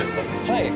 はい。